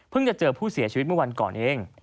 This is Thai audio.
เพิ่งจะเจอผู้เสียชีวิตไม่วันก่อนเอง